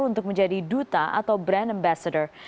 untuk menjadi duta atau brand ambassador